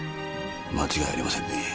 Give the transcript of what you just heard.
間違いありませんねぇ。